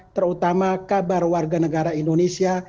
terutama kabar warga negara indonesia